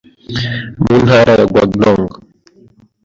mu ntara ya Guangdong